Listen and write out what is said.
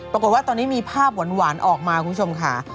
ปรากฏว่าตอนนี้มีภาพหวานออกมาคุณผู้ชมค่ะ